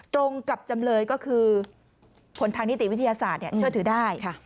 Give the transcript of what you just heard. ตรงกับจำเลยก็คือผลทางนิติวิทยาศาสตร์เชื่อถือได้